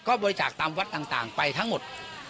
ก็บริจาคตามวัดต่างไปทั้งหมด